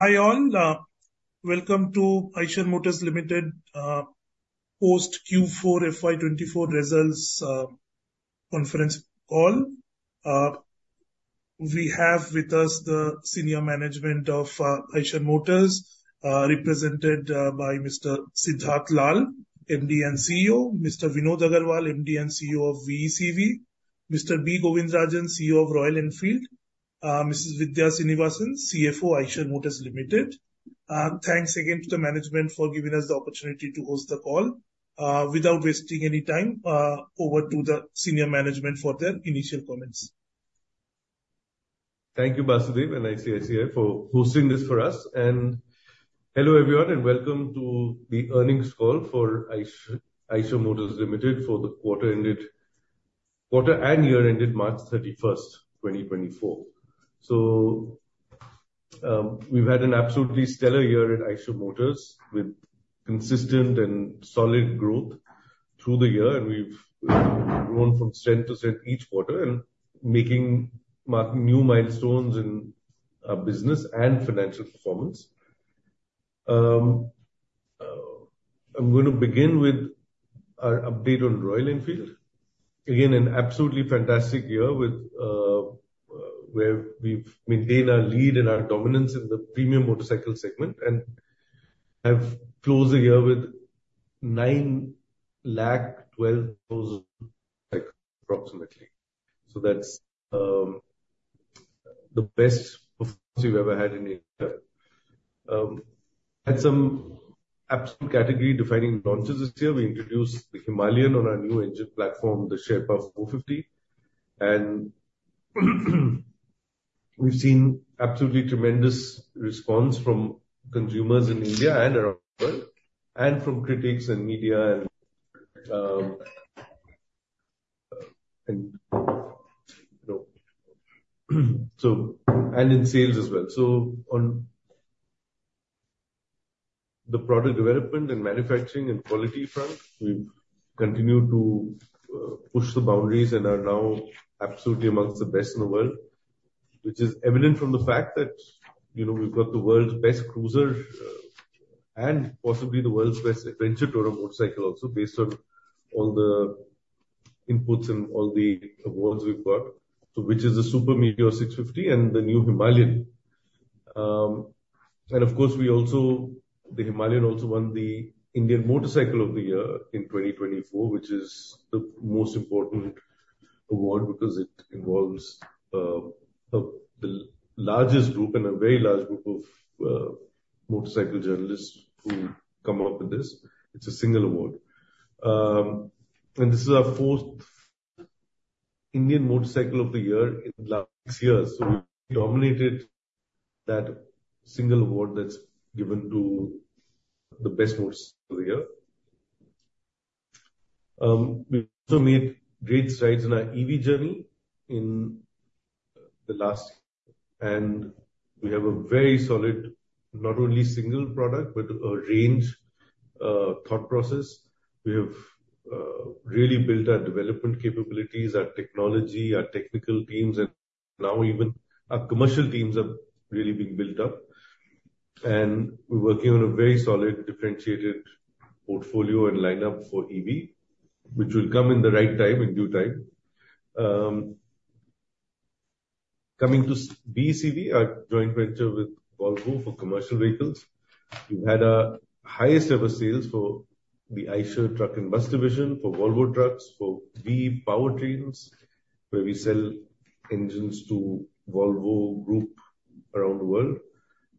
Hi all, welcome to Eicher Motors Limited post Q4 FY24 results conference call. We have with us the senior management of Eicher Motors, represented by Mr. Siddhartha Lal, MD and CEO, Mr. Vinod Aggarwal, MD and CEO of VECV, Mr. B. Govindarajan, CEO of Royal Enfield, Mrs. Vidhya Srinivasan, CFO Eicher Motors Limited. Thanks again to the management for giving us the opportunity to host the call. Without wasting any time, over to the senior management for their initial comments. Thank you, Basudeb and ICICI for hosting this for us. Hello everyone, and welcome to the earnings call for Eicher Motors Limited for the quarter-ended quarter and year-ended March 31st, 2024. We've had an absolutely stellar year at Eicher Motors with consistent and solid growth through the year, and we've grown from strength to strength each quarter and making new milestones in business and financial performance. I'm going to begin with our update on Royal Enfield. Again, an absolutely fantastic year with where we've maintained our lead and our dominance in the premium motorcycle segment and have closed the year with 912,000 cycles approximately. That's the best performance we've ever had in India. had some absolute category-defining launches this year. We introduced the Himalayan on our new engine platform, the Sherpa 450, and we've seen absolutely tremendous response from consumers in India and around the world, and from critics and media, and you know, so and in sales as well. So on the product development and manufacturing and quality front, we've continued to push the boundaries and are now absolutely amongst the best in the world, which is evident from the fact that, you know, we've got the world's best cruiser, and possibly the world's best adventure touring motorcycle also based on all the inputs and all the awards we've got, so which is the Super Meteor 650 and the new Himalayan. And of course, we also, the Himalayan also won the Indian Motorcycle of the Year in 2024, which is the most important award because it involves the largest group and a very large group of motorcycle journalists who come up with this. It's a single award. And this is our fourth Indian Motorcycle of the Year in the last year, so we dominated that single award that's given to the best motorcycle of the year. We also made great strides in our EV journey in the last year, and we have a very solid not only single product but a range thought process. We have really built our development capabilities, our technology, our technical teams, and now even our commercial teams are really being built up. And we're working on a very solid differentiated portfolio and lineup for EV, which will come in the right time, in due time. Coming to VECV, our joint venture with Volvo for commercial vehicles, we've had our highest-ever sales for the Eicher Truck and Bus division, for Volvo trucks, for VE Powertrains, where we sell engines to Volvo Group around the world.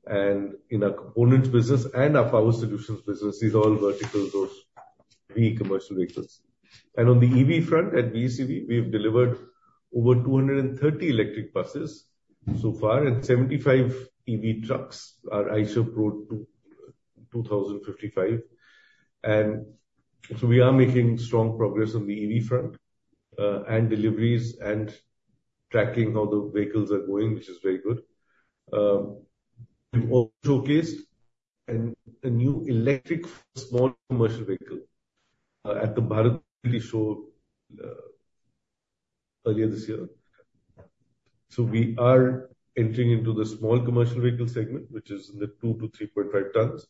In our components business and our power solutions business, these are all verticals of VE Commercial Vehicles. On the EV front at VECV, we have delivered over 230 electric buses so far and 75 EV trucks are Eicher Pro 2055. So we are making strong progress on the EV front, and deliveries and tracking how the vehicles are going, which is very good. We've also showcased a new electric small commercial vehicle at the Bharat Mobility Global Expo earlier this year. We are entering into the small commercial vehicle segment, which is in the 2-3.5 tons.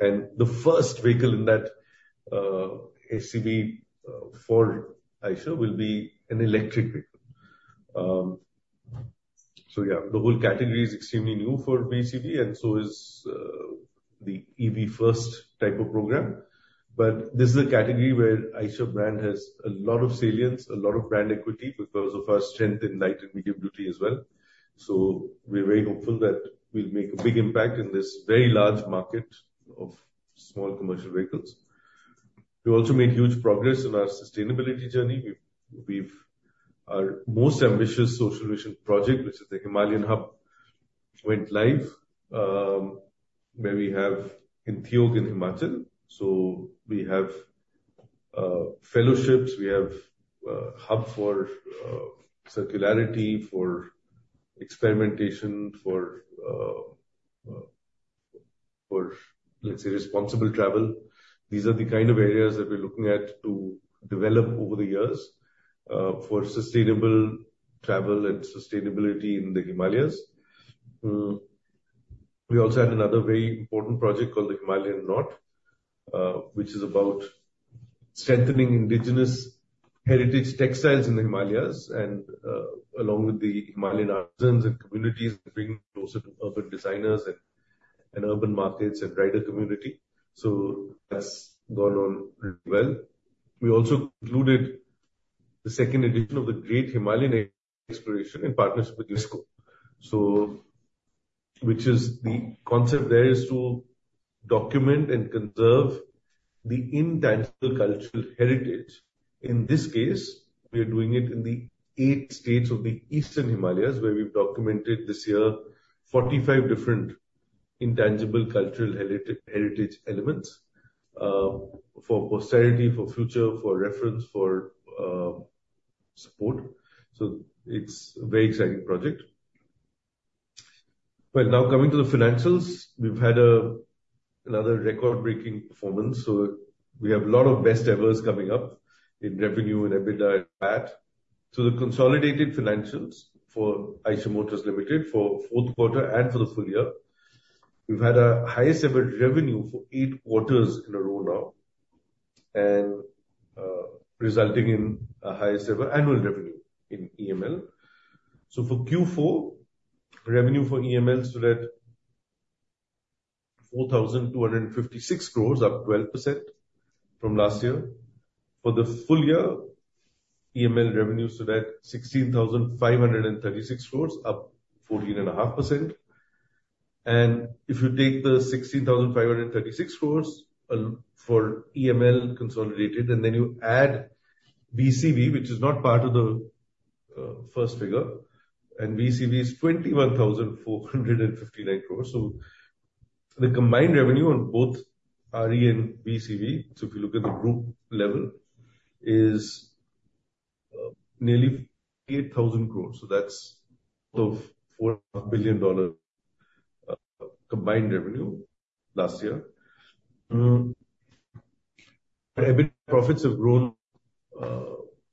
And the first vehicle in that, SCV, for Eicher will be an electric vehicle. So yeah, the whole category is extremely new for VECV, and so is the EV first type of program. But this is a category where Eicher brand has a lot of salience, a lot of brand equity because of our strength in light and medium duty as well. So we're very hopeful that we'll make a big impact in this very large market of small commercial vehicles. We've also made huge progress in our sustainability journey. We've our most ambitious social mission project, which is the Himalayan Hub, went live, where we have in Theog in Himachal. So we have fellowships. We have hub for circularity, for experimentation, for, let's say, responsible travel. These are the kind of areas that we're looking at to develop over the years, for sustainable travel and sustainability in the Himalayas. We also had another very important project called the Himalayan Knot, which is about strengthening indigenous heritage textiles in the Himalayas and, along with the Himalayan artisans and communities, bringing closer to urban designers and, and urban markets and rider community. So that's gone on really well. We also concluded the second edition of the Great Himalayan Exploration in partnership with UNESCO. So which is the concept there is to document and conserve the intangible cultural heritage. In this case, we are doing it in the eight states of the Eastern Himalayas, where we've documented this year 45 different intangible cultural heritage elements, for posterity, for future, for reference, for, support. So it's a very exciting project. Well, now coming to the financials, we've had another record-breaking performance. So we have a lot of best-evers coming up in revenue and EBITDA at. So the consolidated financials for Eicher Motors Limited for fourth quarter and for the full year, we've had our highest-ever revenue for eight quarters in a row now, and, resulting in our highest-ever annual revenue in EML. So for Q4, revenue for EML stood at 4,256 crores, up 12% from last year. For the full year, EML revenue stood at 16,536 crores, up 14.5%. And if you take the 16,536 crores for EML consolidated and then you add VECV, which is not part of the, first figure, and VECV is 21,459 crores. So the combined revenue on both RE and VECV, so if you look at the group level, is, nearly 8,000 crores. So that's of $4.5 billion, combined revenue last year. EBITDA profits have grown,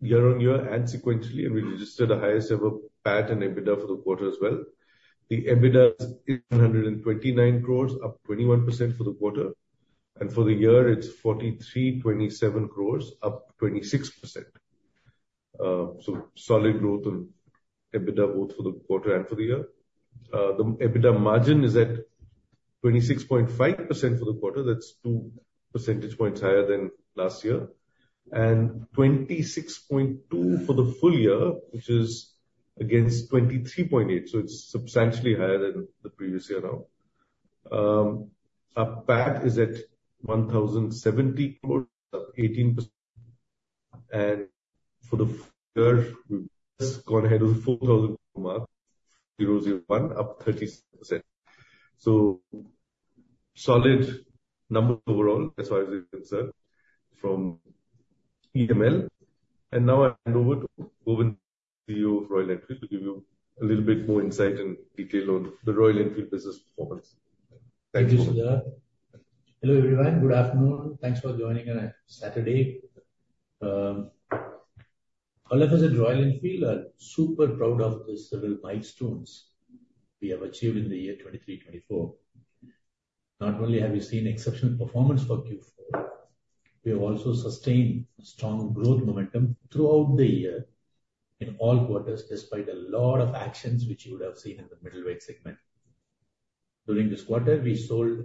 year on year and sequentially, and we registered a highest-ever PAT and EBITDA for the quarter as well. The EBITDA is 729 crores, up 21% for the quarter. And for the year, it's 4,327 crores, up 26%. So solid growth on EBITDA both for the quarter and for the year. The EBITDA margin is at 26.5% for the quarter. That's two percentage points higher than last year. And 26.2% for the full year, which is against 23.8%. So it's substantially higher than the previous year now. Our PAT is at 1,070 crores, up 18%. And for the year, we've just gone ahead of the 4,000 crore mark, up 36%. So solid number overall, as far as we're concerned, from EML. Now I hand over to Govindarajan, CEO of Royal Enfield, to give you a little bit more insight and detail on the Royal Enfield business performance. Thank you. Thank you, Siddhartha. Hello everyone. Good afternoon. Thanks for joining on a Saturday. All of us at Royal Enfield are super proud of the several milestones we have achieved in the year 2023/24. Not only have we seen exceptional performance for Q4, we have also sustained a strong growth momentum throughout the year in all quarters despite a lot of actions which you would have seen in the middleweight segment. During this quarter, we sold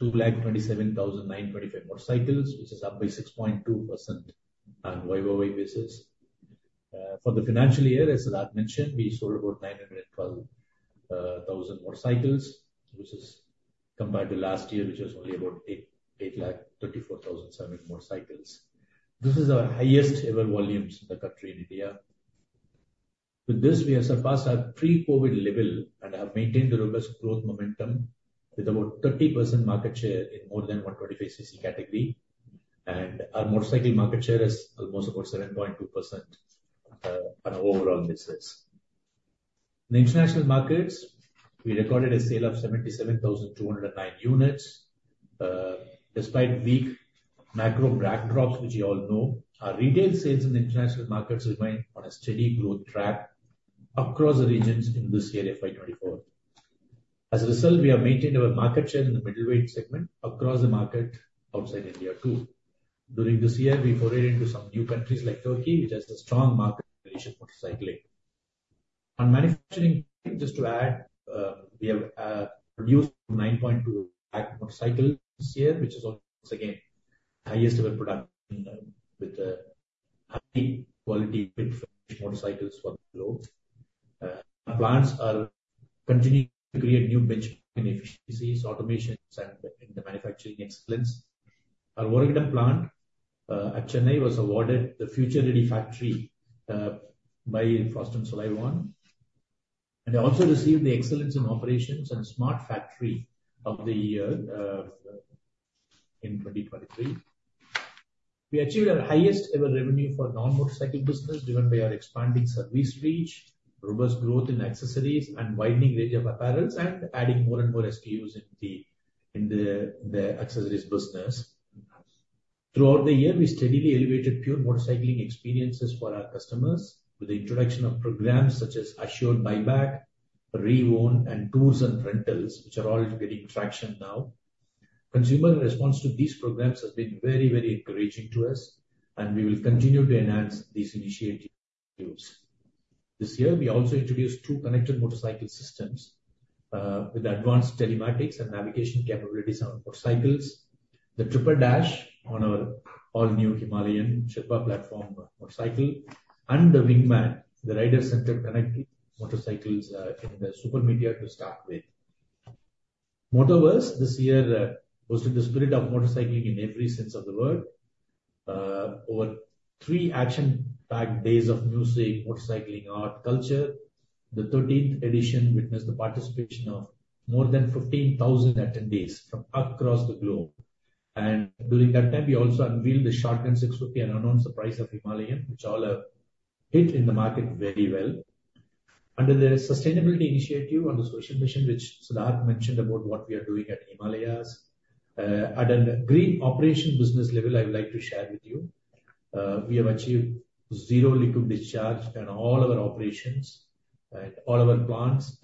227,925 motorcycles, which is up by 6.2% on a weight-by-weight basis. For the financial year, as Siddhartha mentioned, we sold about 912,000 motorcycles, which is compared to last year, which was only about 834,700 motorcycles. This is our highest-ever volumes in the country in India. With this, we have surpassed our pre-COVID level and have maintained a robust growth momentum with about 30% market share in more than 125cc category. And our motorcycle market share is almost about 7.2%, on an overall basis. In the international markets, we recorded a sale of 77,209 units, despite weak macro backdrops, which you all know. Our retail sales in the international markets remained on a steady growth track across the regions in this year FY 2024. As a result, we have maintained our market share in the middleweight segment across the market outside India too. During this year, we forayed into some new countries like Turkey, which has a strong market relation with motorcycling. On manufacturing, just to add, we have produced 9.2 million motorcycles this year, which is once again the highest-ever production, with high-quality finished motorcycles for the globe. Our plants are continuing to create new benchmarking efficiencies, automations, and in the manufacturing excellence. Our Oragadam plant at Chennai was awarded the Future Ready Factory by Frost & Sullivan. They also received the Excellence in Operations and Smart Factory of the year, in 2023. We achieved our highest-ever revenue for non-motorcycle business driven by our expanding service reach, robust growth in accessories, and widening range of apparels, and adding more and more STUs in the accessories business. Throughout the year, we steadily elevated pure motorcycling experiences for our customers with the introduction of programs such as Assured Buyback, Reown, and Tours and Rentals, which are all getting traction now. Consumer response to these programs has been very, very encouraging to us, and we will continue to enhance these initiatives. This year, we also introduced two connected motorcycle systems, with advanced telematics and navigation capabilities on our motorcycles, the Tripper Dash on our all-new Himalayan Sherpa platform motorcycle, and the Wingman, the rider-centered connected motorcycles, in the Super Meteor to start with. Motoverse this year boasted the spirit of motorcycling in every sense of the word. Over three action-packed days of music, motorcycling, art, culture, the 13th edition witnessed the participation of more than 15,000 attendees from across the globe. During that time, we also unveiled the Shotgun 650, an unknown surprise of Himalayan, which all are hit in the market very well. Under the sustainability initiative on the social mission, which Siddhartha mentioned about what we are doing at the Himalayas, at a green operation business level, I would like to share with you, we have achieved zero liquid discharge in all our operations and all our plants,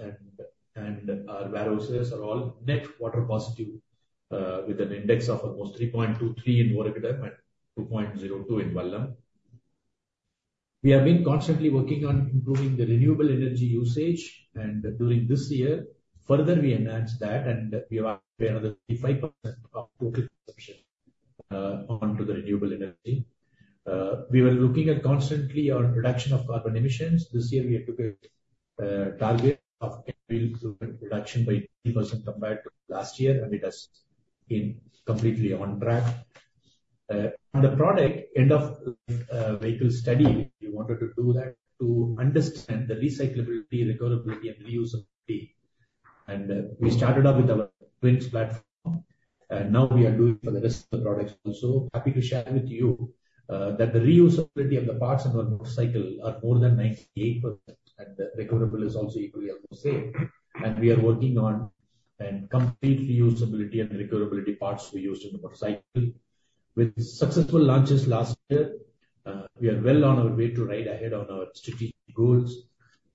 and our warehouses are all net water positive, with an index of almost 3.23 in Oragadam and 2.02 in Vallam Vadagal. We have been constantly working on improving the renewable energy usage. During this year, further we enhanced that, and we have up to another 5% of total consumption onto the renewable energy. We were looking at constantly our reduction of carbon emissions. This year, we have took a target of reduction by 80% compared to last year, and it has been completely on track. On the product end-of-life vehicle study, we wanted to do that to understand the recyclability, recoverability, and reusability. We started off with our Twins platform, and now we are doing it for the rest of the products also. Happy to share with you that the reusability of the parts in our motorcycle is more than 98%, and the recoverable is also equally almost the same. We are working on complete reusability and recoverability parts we used in the motorcycle. With successful launches last year, we are well on our way to ride ahead on our strategic goals,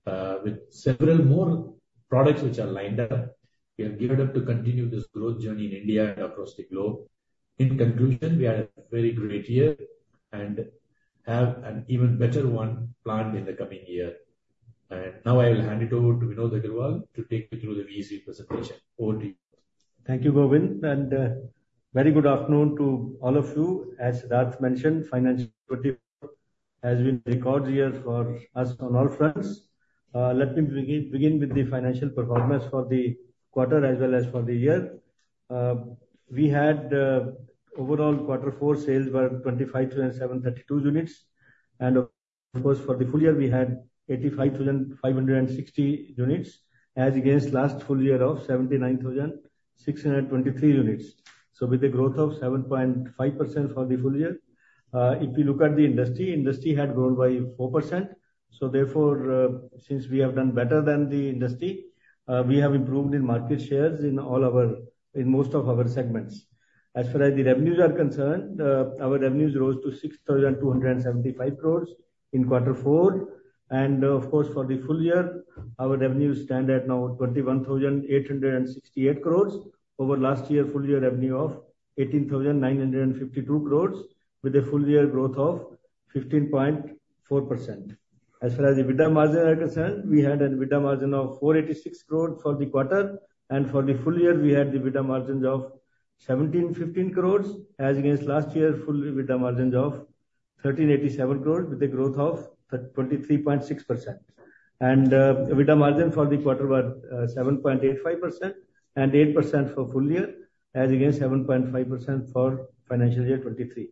with several more products which are lined up. We are geared up to continue this growth journey in India and across the globe. In conclusion, we had a very great year and have an even better one planned in the coming year. Now I will hand it over to Vinod Aggarwal to take you through the VECV presentation. Over to you. Thank you, Govind. Very good afternoon to all of you. As Siddharth mentioned, financial 2024 has been a record year for us on all fronts. Let me begin with the financial performance for the quarter as well as for the year. We had, overall quarter four sales were 25,732 units. And of course, for the full year, we had 85,560 units as against last full year of 79,623 units. So with a growth of 7.5% for the full year. If you look at the industry, industry had grown by 4%. So therefore, since we have done better than the industry, we have improved in market shares in all our most of our segments. As far as the revenues are concerned, our revenues rose to 6,275 crores in quarter four. Of course, for the full year, our revenues stand at now 21,868 crores over last year full year revenue of 18,952 crores with a full year growth of 15.4%. As far as the EBITDA margin is concerned, we had an EBITDA margin of 486 crores for the quarter. For the full year, we had the EBITDA margins of 1,715 crores as against last year full EBITDA margins of 1,387 crores with a growth of 23.6%. EBITDA margin for the quarter were 7.85% and 8% for full year as against 7.5% for financial year 2023.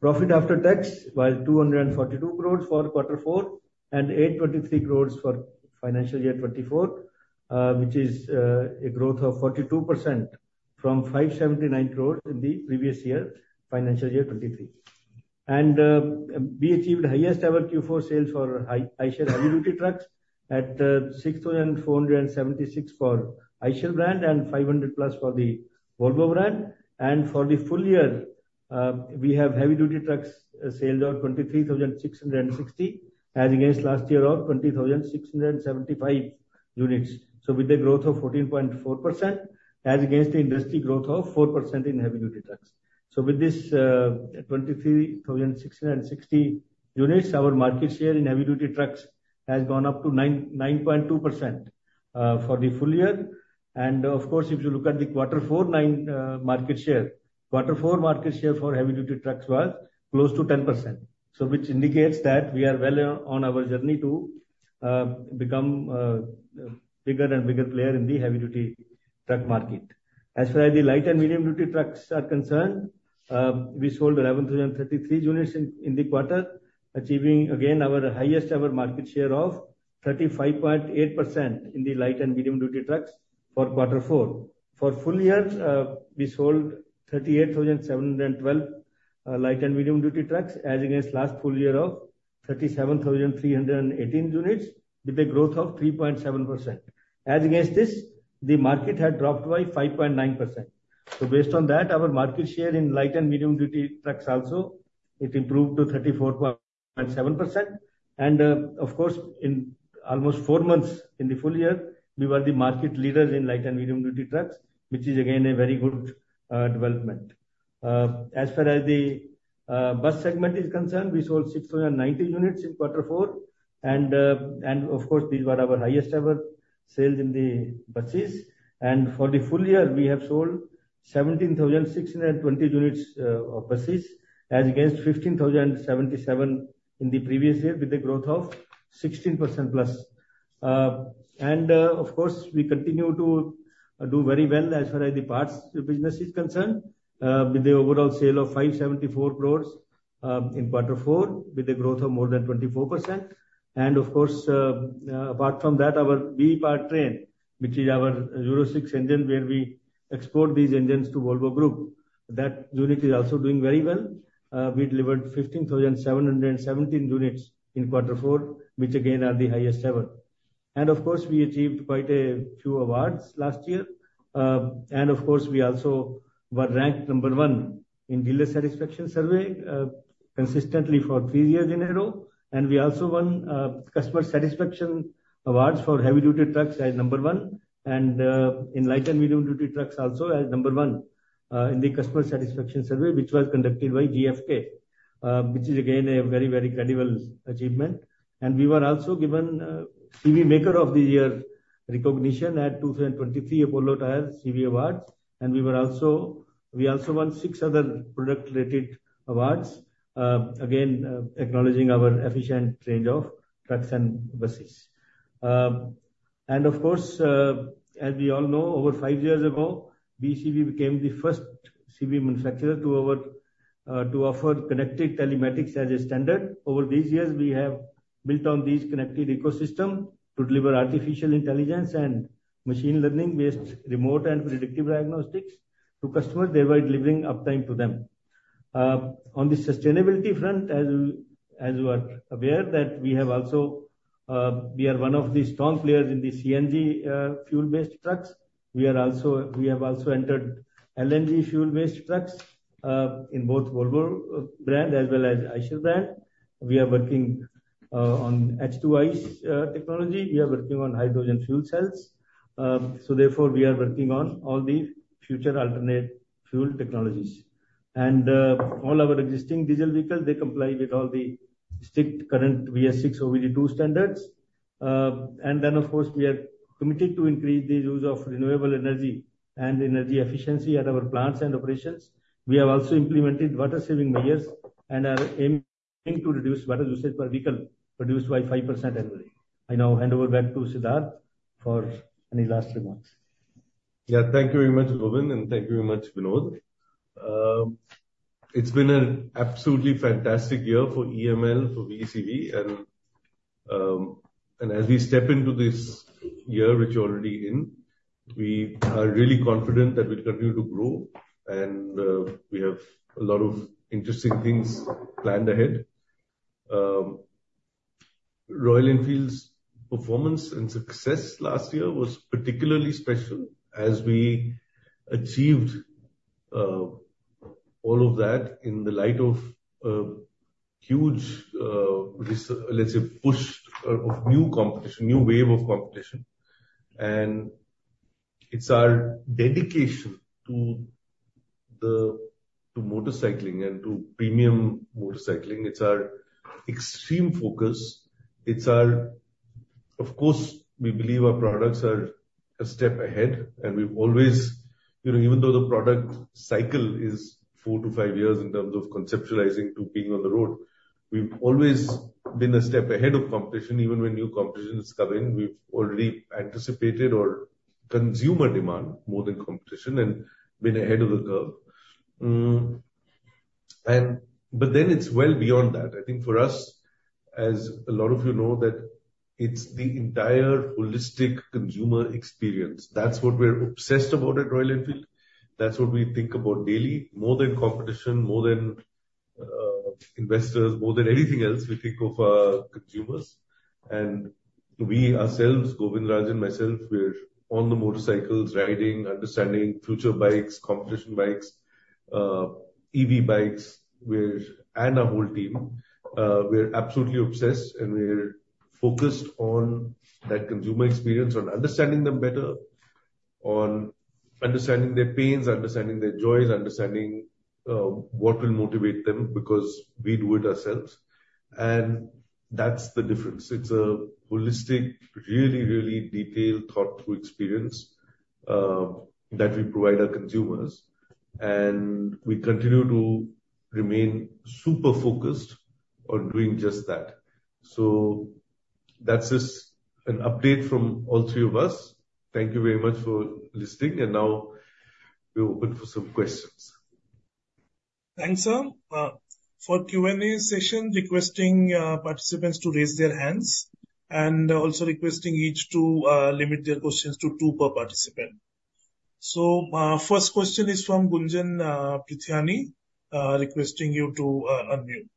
Profit after tax was 242 crores for quarter four and 823 crores for financial year 2024, which is a growth of 42% from 579 crores in the previous year, financial year 2023. We achieved highest-ever Q4 sales for Eicher Heavy Duty Trucks at 6,476 for Eicher brand and 500+ for the Volvo brand. For the full year, we have heavy duty trucks sold 23,660 as against last year of 20,675 units. With a growth of 14.4% as against the industry growth of 4% in heavy duty trucks. With this, 23,660 units, our market share in heavy duty trucks has gone up to 9.2%, for the full year. Of course, if you look at the Q4 9% market share, Q4 market share for heavy duty trucks was close to 10%. Which indicates that we are well on our journey to become bigger and bigger player in the heavy duty truck market. As far as the light and medium duty trucks are concerned, we sold 11,033 units in the quarter, achieving again our highest-ever market share of 35.8% in the light and medium duty trucks for quarter four. For full year, we sold 38,712 light and medium duty trucks as against last full year of 37,318 units with a growth of 3.7%. As against this, the market had dropped by 5.9%. So based on that, our market share in light and medium duty trucks also, it improved to 34.7%. And, of course, in almost four months in the full year, we were the market leaders in light and medium duty trucks, which is again a very good development. As far as the bus segment is concerned, we sold 6,090 units in quarter four. And, of course, these were our highest-ever sales in the buses. And for the full year, we have sold 17,620 units of buses as against 15,077 in the previous year with a growth of 16%+. And, of course, we continue to do very well as far as the parts business is concerned, with the overall sale of 574 crores in quarter four with a growth of more than 24%. And of course, apart from that, our VE Powertrains, which is our Euro 6 engine where we export these engines to Volvo Group, that unit is also doing very well. We delivered 15,717 units in quarter four, which again are the highest-ever. And of course, we achieved quite a few awards last year. And of course, we also were ranked number one in dealer satisfaction survey, consistently for three years in a row. We also won customer satisfaction awards for heavy-duty trucks as number one and in light- and medium-duty trucks also as number one in the customer satisfaction survey, which was conducted by GfK, which is again a very, very credible achievement. We were also given CV Maker of the Year recognition at 2023 Apollo Tyres CV Awards. We also won six other product-related awards, again acknowledging our efficient range of trucks and buses. Of course, as we all know, over five years ago, VECV became the first CV manufacturer to offer connected telematics as a standard. Over these years, we have built on this connected ecosystem to deliver artificial intelligence and machine learning-based remote and predictive diagnostics to customers, thereby delivering uptime to them. On the sustainability front, as you as you are aware that we have also, we are one of the strong players in the CNG, fuel-based trucks. We are also we have also entered LNG fuel-based trucks, in both Volvo brand as well as Eicher brand. We are working, on H2-ICE technology. We are working on hydrogen fuel cells. So therefore, we are working on all the future alternate fuel technologies. And, all our existing diesel vehicles, they comply with all the strict current BS6 OBD2 standards. And then, of course, we are committed to increase the use of renewable energy and energy efficiency at our plants and operations. We have also implemented water-saving measures and are aiming to reduce water usage per vehicle produced by 5% annually. I now hand over back to Siddhartha for any last remarks. Yeah, thank you very much, Govind, and thank you very much, Vinod. It's been an absolutely fantastic year for EML, for VECV. And as we step into this year, which we're already in, we are really confident that we'll continue to grow. And we have a lot of interesting things planned ahead. Royal Enfield's performance and success last year was particularly special as we achieved all of that in the light of a huge, let's say, push of new competition, new wave of competition. And it's our dedication to the motorcycling and to premium motorcycling. It's our extreme focus. It's our, of course, we believe our products are a step ahead. And we've always, you know, even though the product cycle is 4-5 years in terms of conceptualizing to being on the road, we've always been a step ahead of competition. Even when new competition has come in, we've already anticipated our consumer demand more than competition and been ahead of the curve. But then it's well beyond that. I think for us, as a lot of you know, that it's the entire holistic consumer experience. That's what we're obsessed about at Royal Enfield. That's what we think about daily, more than competition, more than investors, more than anything else. We think of our consumers. And we ourselves, Govindarajan and myself, we're on the motorcycles, riding, understanding future bikes, competition bikes, EV bikes. And our whole team, we're absolutely obsessed. And we're focused on that consumer experience, on understanding them better, on understanding their pains, understanding their joys, understanding what will motivate them because we do it ourselves. And that's the difference. It's a holistic, really, really detailed thought-through experience that we provide our consumers. We continue to remain super focused on doing just that. So that's just an update from all three of us. Thank you very much for listening. Now we're open for some questions. Thanks, sir, for Q&A session, requesting participants to raise their hands and also requesting each to limit their questions to two per participant. So, first question is from Gunjan Prithyani, requesting you to unmute.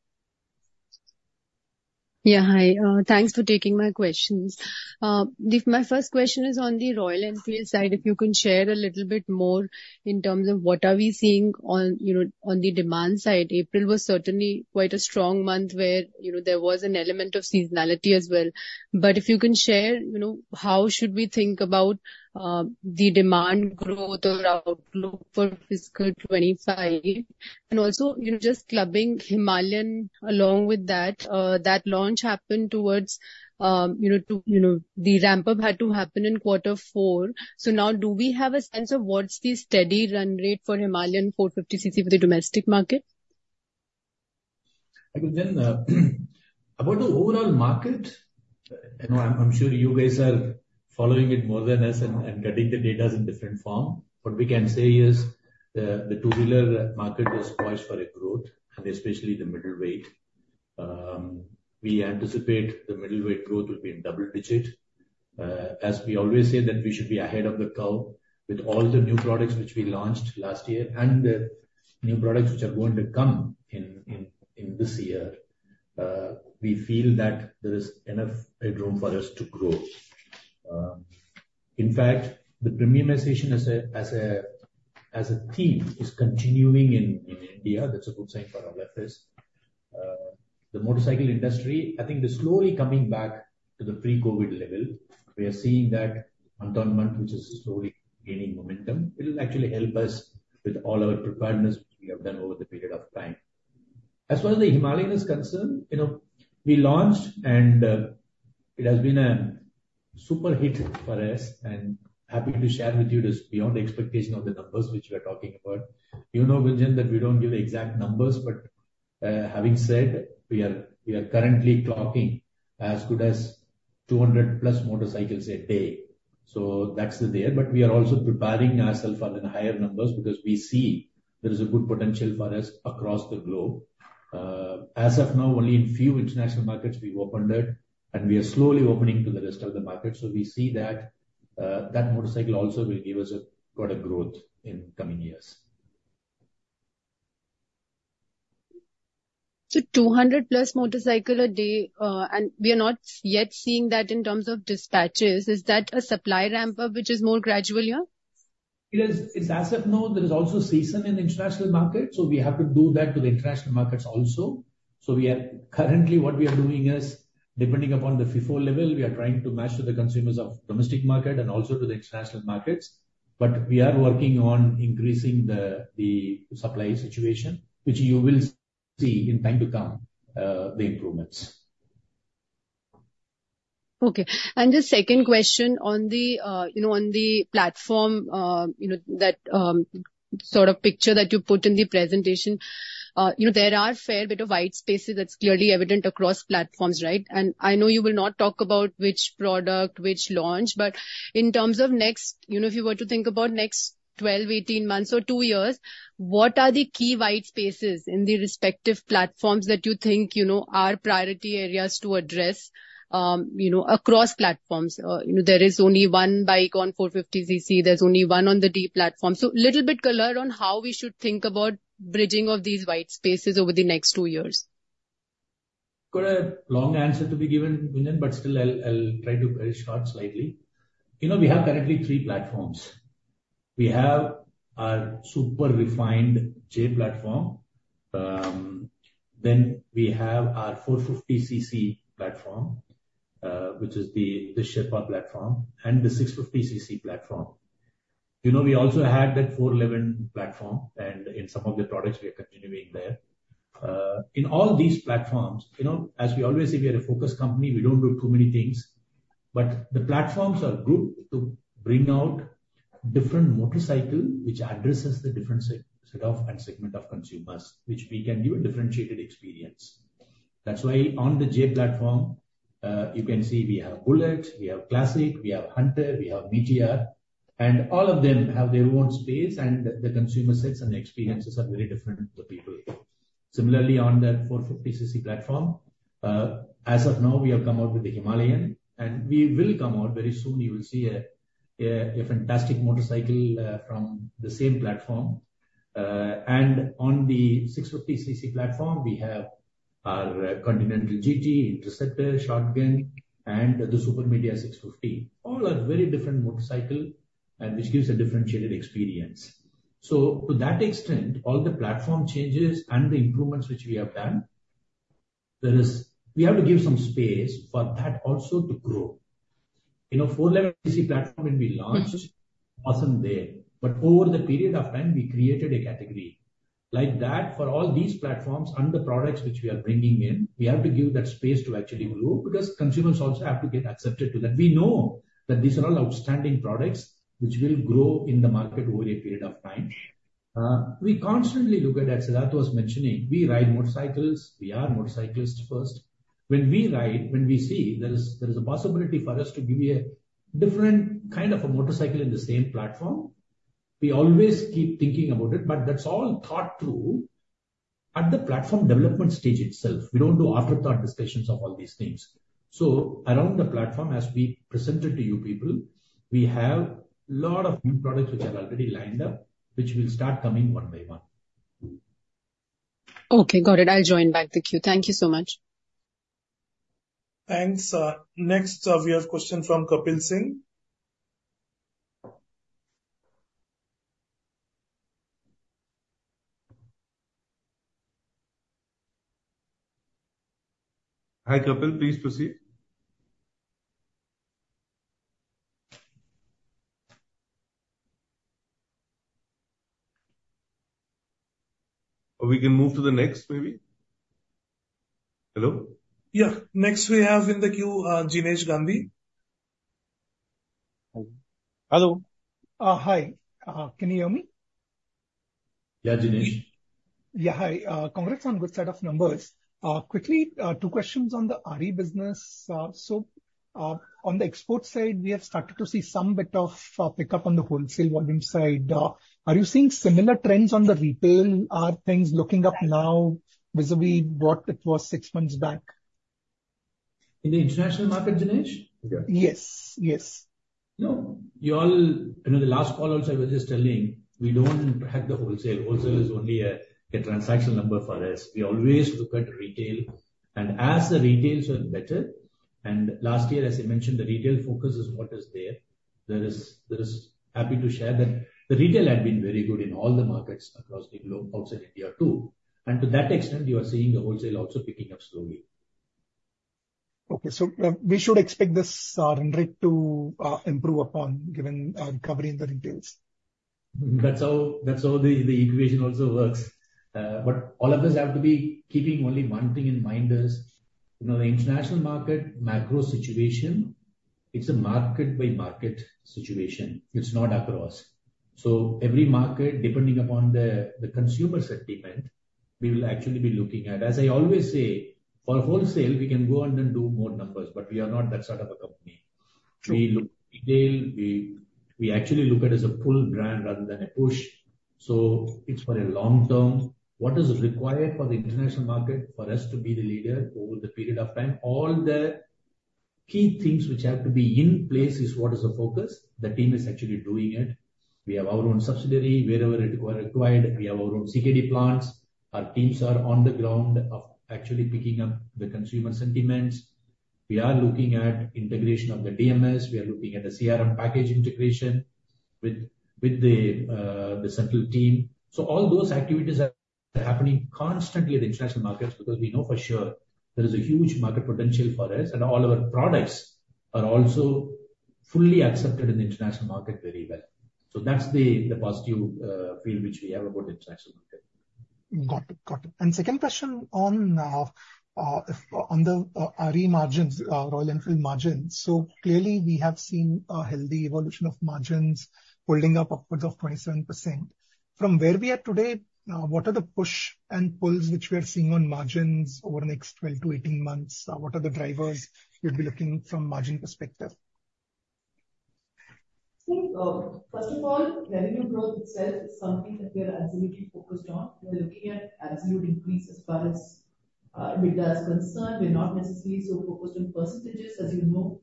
Yeah, hi. Thanks for taking my questions. If my first question is on the Royal Enfield side, if you can share a little bit more in terms of what are we seeing on, you know, on the demand side. April was certainly quite a strong month where, you know, there was an element of seasonality as well. But if you can share, you know, how should we think about the demand growth or outlook for fiscal 2025? And also, you know, just clubbing Himalayan along with that, that launch happened towards, you know, to you know, the ramp-up had to happen in quarter four. So now do we have a sense of what's the steady run rate for Himalayan 450cc for the domestic market? I mean, then, about the overall market, I know I'm sure you guys are following it more than us and getting the data in different form. What we can say is the two-wheeler market is poised for a growth, and especially the middleweight. We anticipate the middleweight growth will be in double digits. As we always say, that we should be ahead of the curve with all the new products which we launched last year and the new products which are going to come in this year. We feel that there is enough room for us to grow. In fact, the premiumization as a theme is continuing in India. That's a good sign for all of us. The motorcycle industry, I think, is slowly coming back to the pre-COVID level. We are seeing that month-on-month, which is slowly gaining momentum. It'll actually help us with all our preparedness which we have done over the period of time. As far as the Himalayan is concerned, you know, we launched, and, it has been a super hit for us. And happy to share with you just beyond the expectation of the numbers which we are talking about. You know, Gunjan, that we don't give exact numbers. But, having said, we are we are currently clocking as good as 200+ motorcycles a day. So that's the rate. But we are also preparing ourselves for the higher numbers because we see there is a good potential for us across the globe. As of now, only in few international markets we've opened it. And we are slowly opening to the rest of the market. We see that motorcycle also will give us quite a growth in coming years. 200+ motorcycle a day, and we are not yet seeing that in terms of dispatches. Is that a supply ramp-up which is more gradual here? It is. It's as of now, there is also seasonality in the international market. So we have to do that to the international markets also. So we are currently, what we are doing is, depending upon the FIFO level, we are trying to match to the consumers of domestic market and also to the international markets. But we are working on increasing the supply situation, which you will see in time to come, the improvements. Okay. And the second question on the, you know, on the platform, you know, that, sort of picture that you put in the presentation, you know, there are a fair bit of white spaces. That's clearly evident across platforms, right? And I know you will not talk about which product, which launch. But in terms of next, you know, if you were to think about next 12, 18 months or two years, what are the key white spaces in the respective platforms that you think, you know, are priority areas to address, you know, across platforms? You know, there is only one bike on 450cc. There's only one on the J platform. So a little bit color on how we should think about bridging of these white spaces over the next two years. Quite a long answer to be given, Gunjan, but still, I'll, I'll try to be very short slightly. You know, we have currently three platforms. We have our super refined J platform. Then we have our 450cc platform, which is the Sherpa platform, and the 650cc platform. You know, we also had that 411 platform. And in some of the products, we are continuing there. In all these platforms, you know, as we always say, we are a focused company. We don't do too many things. But the platforms are grouped to bring out different motorcycles which address the different set of and segment of consumers, which we can give a differentiated experience. That's why on the J platform, you can see we have Bullet. We have Classic. We have Hunter. We have Meteor. And all of them have their own space. The consumer sets and the experiences are very different to the people. Similarly, on that 450cc platform, as of now, we have come out with the Himalayan. We will come out very soon. You will see a fantastic motorcycle, from the same platform. And on the 650cc platform, we have our Continental GT, Interceptor, Shotgun, and the Super Meteor 650. All are very different motorcycles, and which gives a differentiated experience. So to that extent, all the platform changes and the improvements which we have done, there is we have to give some space for that also to grow. You know, 411cc platform, when we launched, awesome there. But over the period of time, we created a category like that for all these platforms and the products which we are bringing in. We have to give that space to actually grow because consumers also have to get accepted to that. We know that these are all outstanding products which will grow in the market over a period of time. We constantly look at, as Siddhartha was mentioning, we ride motorcycles. We are motorcyclists first. When we ride, when we see there is a possibility for us to give you a different kind of a motorcycle in the same platform, we always keep thinking about it. But that's all thought through at the platform development stage itself. We don't do afterthought discussions of all these things. So around the platform, as we presented to you people, we have a lot of new products which are already lined up, which will start coming one by one. Okay, got it. I'll join back the queue. Thank you so much. Thanks. Next, we have a question from Kapil Singh. Hi, Kapil. Please proceed. We can move to the next, maybe? Hello? Yeah. Next, we have in the queue, Jinesh Gandhi. Hello. Hi. Hi. Can you hear me? Yeah, Jinesh. Yeah, hi. Congrats on a good set of numbers. Quickly, two questions on the RE business. So, on the export side, we have started to see some bit of pickup on the wholesale volume side. Are you seeing similar trends on the retail? Are things looking up now vis-à-vis what it was six months back? In the international market, Jinesh? Yes. Yes. No. You all know, the last call also, I was just telling, we don't have the wholesale. Wholesale is only a transactional number for us. We always look at retail. And as the retail has gotten better and last year, as I mentioned, the retail focus is what is there. There is happy to share that the retail had been very good in all the markets across the globe, outside India too. And to that extent, you are seeing the wholesale also picking up slowly. Okay. So, we should expect this trending to improve upon given our recovery in the retail. That's how the equation also works. But all of us have to be keeping only one thing in mind. You know, the international market macro situation, it's a market-by-market situation. It's not across. So every market, depending upon the consumer sentiment, we will actually be looking at, as I always say, for wholesale, we can go on and do more numbers. But we are not that sort of a company. We look at retail. We actually look at it as a full brand rather than a push. So it's for a long term. What is required for the international market for us to be the leader over the period of time? All the key things which have to be in place is what is the focus. The team is actually doing it. We have our own subsidiary wherever it's required. We have our own CKD plants. Our teams are on the ground of actually picking up the consumer sentiments. We are looking at integration of the DMS. We are looking at the CRM package integration with the central team. So all those activities are happening constantly in the international markets because we know for sure there is a huge market potential for us. And all our products are also fully accepted in the international market very well. So that's the positive feel which we have about the international market. Got it. Got it. And second question on the RE margins, Royal Enfield margins. So clearly, we have seen a healthy evolution of margins holding up upwards of 27%. From where we are today, what are the push and pulls which we are seeing on margins over the next 12-18 months? What are the drivers you'd be looking from a margin perspective? So, first of all, revenue growth itself is something that we are absolutely focused on. We are looking at absolute increase as far as Vida is concerned. We're not necessarily so focused on percentages, as you know.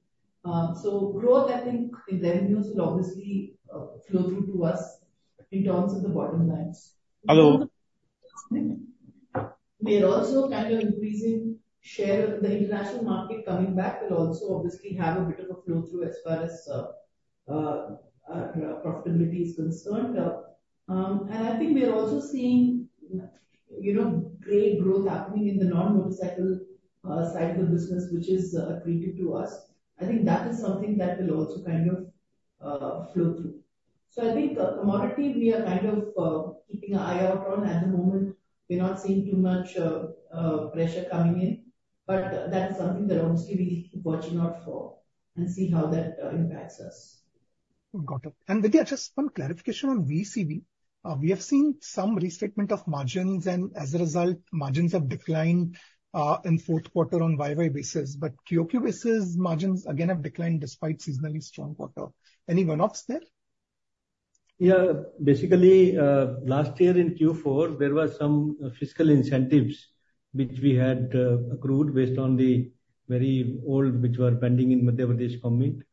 So growth, I think, in revenues will obviously flow through to us in terms of the bottom lines. Hello. We are also kind of increasing share. The international market coming back will also obviously have a bit of a flow through as far as our profitability is concerned. And I think we are also seeing, you know, great growth happening in the non-motorcycle side of the business, which is attractive to us. I think that is something that will also kind of flow through. So I think commodity we are kind of keeping an eye out on at the moment. We're not seeing too much pressure coming in. But that is something that obviously we'll keep watching out for and see how that impacts us. Got it. And Vidhya, just one clarification on VECV. We have seen some restatement of margins. As a result, margins have declined in fourth quarter on year-over-year basis. But on quarter-over-quarter basis, margins, again, have declined despite seasonally strong quarter. Any one-offs there? Yeah. Basically, last year in Q4, there were some fiscal incentives which we had accrued based on the very old which were pending in Madhya Pradesh government.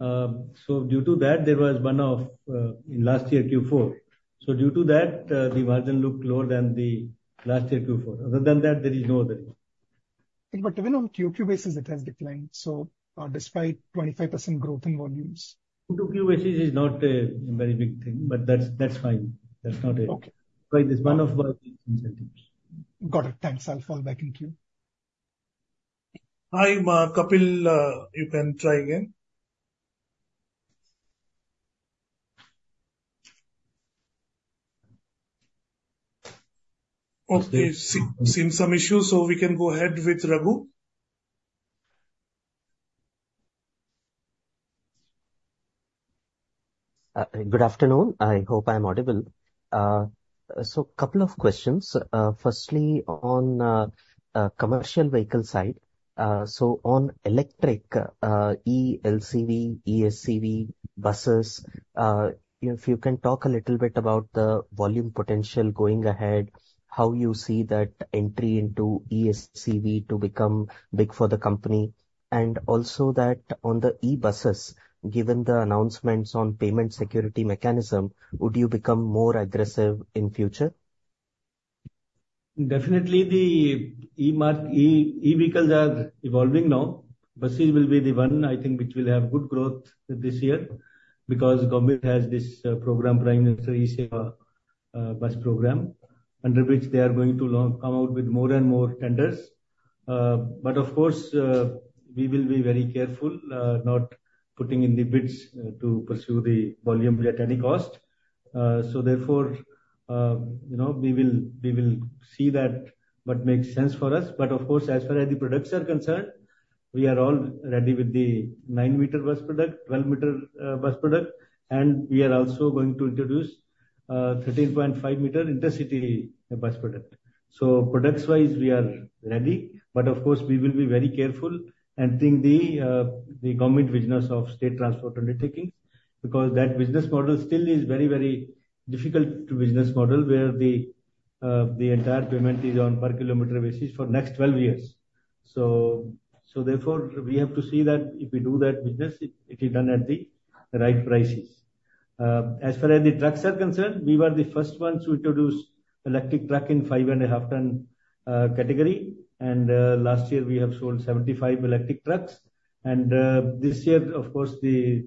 So due to that, there was one-off in last year Q4. So due to that, the margin looked lower than the last year Q4. Other than that, there is no other. But even on QQ basis, it has declined. So, despite 25% growth in volumes. QQ basis is not a very big thing. But that's fine. That's not a one-off incentives. Got it. Thanks. I'll fall back in queue. Hi, Kapil. You can try again. Okay. Seems some issues. So we can go ahead with Raghu. Good afternoon. I hope I'm audible. A couple of questions. Firstly, on commercial vehicle side. So on electric, E, LCV, ESCV, buses, if you can talk a little bit about the volume potential going ahead, how you see that entry into ESCV to become big for the company. And also that on the e-buses, given the announcements on payment security mechanism, would you become more aggressive in future? Definitely, the e-vehicles are evolving now. Buses will be the one, I think, which will have good growth this year because government has this program, Prime Minister e-bus program, under which they are going to come out with more and more tenders. But of course, we will be very careful, not putting in the bids to pursue the volume at any cost. So therefore, you know, we will we will see that what makes sense for us. But of course, as far as the products are concerned, we are all ready with the 9-meter bus product, 12-meter bus product. And we are also going to introduce 13.5-meter intercity bus product. So products-wise, we are ready. But of course, we will be very careful and think the government business of state transport undertakings because that business model still is very, very difficult business model where the entire payment is on per-kilometer basis for next 12 years. So therefore, we have to see that if we do that business, it is done at the right prices. As far as the trucks are concerned, we were the first ones to introduce electric truck in 5.5-ton category. And last year, we have sold 75 electric trucks. And this year, of course, the